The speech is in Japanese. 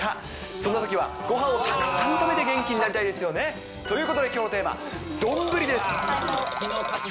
そんなときは、ごはんをたくさん食べて元気になりたいですよね。ということで、きょうのテーマ、丼です。